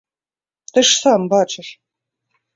Ты ж сам бачыш.